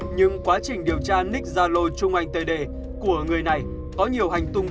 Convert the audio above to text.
nhưng quá trình điều tra nick zalo trung anh td của người này có nhiều hành tùng